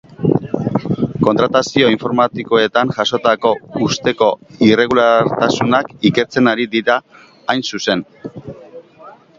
Kontratazio informatikoetan jasotako ustezko irregulartasunak ikertzen ari dira, hain zuzen.